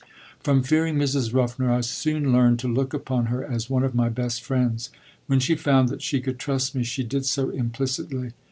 From fearing Mrs. Ruffner I soon learned to look upon her as one of my best friends. When she found that she could trust me she did so implicitly.